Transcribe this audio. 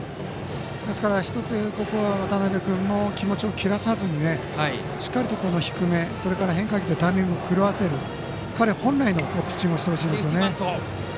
ですから１つ、ここは渡邉君も気持ちを切らさずにしっかりと低めそれから変化球でタイミングを狂わせる彼本来のピッチングをセーフティーバント。